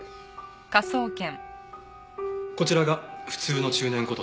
こちらが普通の中年こと